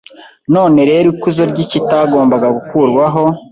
None rero ikuzo ry’ikitagombaga gukurwaho